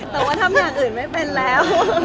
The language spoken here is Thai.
แต่ว่าทำอย่างอื่นไม่เป็นแล้ว